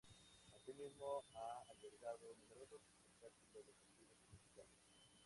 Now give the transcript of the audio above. Asimismo, ha albergado numerosos espectáculos deportivos y musicales.